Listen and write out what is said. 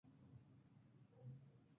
Se graduó en la Universidad de Cambridge.